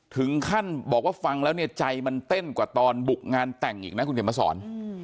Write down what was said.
ถึงขั้นบอกว่าฟังแล้วเนี่ยใจมันเต้นกว่าตอนบุกงานแต่งอีกนะคุณเขียนมาสอน